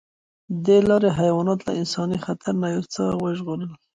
دې لارې حیوانات له انساني خطر نه یو څه وژغورل.